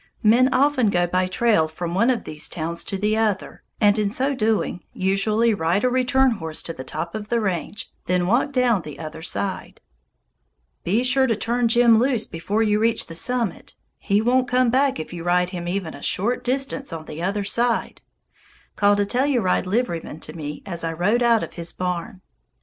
Men often go by trail from one of these towns to the other, and in so doing usually ride a return horse to the top of the range, then walk down the other side. [Illustration: A MINER ON A RETURN HORSE] "Be sure to turn Jim loose before you reach the summit; he won't come back if you ride him even a short distance on the other side," called a Telluride liveryman to me as I rode out of his barn.